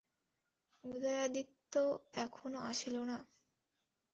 উদয়াদিত্য এখনো আসিল না?